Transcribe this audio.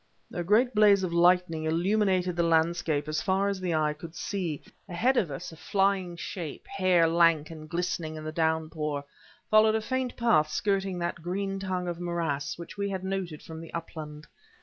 A great blaze of lightning illuminated the landscape as far as the eye could see. Ahead of us a flying shape, hair lank and glistening in the downpour, followed a faint path skirting that green tongue of morass which we had noted from the upland.